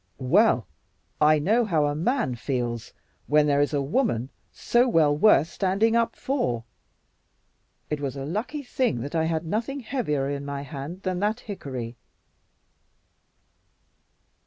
"Well, I know how a man feels when there is a woman so well worth standing up for. It was a lucky thing that I had nothing heavier in my hand than that hickory."